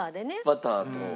バターと。